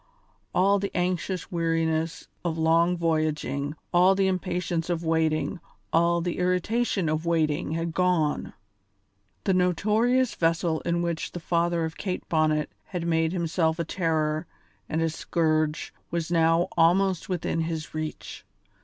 All the anxious weariness of long voyaging, all the impatience of watching, all the irritation of waiting had gone. The notorious vessel in which the father of Kate Bonnet had made himself a terror and a scourge was now almost within his reach.